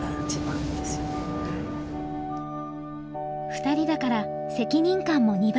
２人だから責任感も２倍！